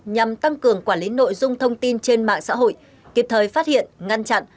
nhằm tăng cường quản lý nội dung thông tin trên mạng xã hội kịp thời phát hiện ngăn chặn